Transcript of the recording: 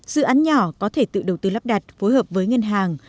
dự án nhỏ có thể tự đầu tư lắp đặt phối hợp với ngân hàng